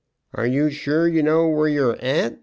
"Are you sure you know where you are at?"